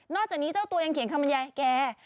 พอจากนี้เจ้ายังเขียนคำบรรยาย